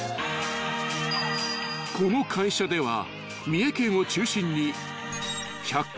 ［この会社では］